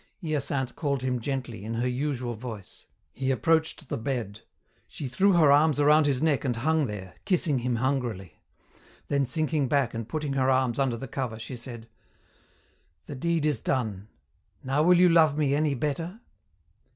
Hyacinthe called him gently, in her usual voice. He approached the bed. She threw her arms around his neck and hung there, kissing him hungrily. Then sinking back and putting her arms under the cover, she said, "The deed is done. Now will you love me any better?"